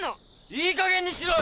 いいかげんにしろよ！